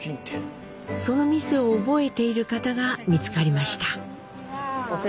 その店を覚えている方が見つかりました。